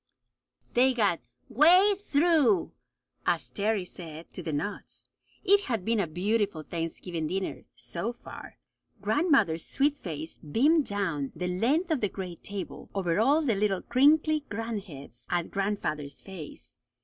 They had got "way through," as Terry said, to the nuts. It had been a beautiful Thanksgiving dinner "so far." Grandmother's sweet face beamed down the length of the great table, over all the little crinkly grandheads, at grandfather's face.